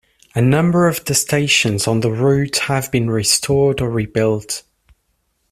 A number of the stations on the route have been restored or rebuilt.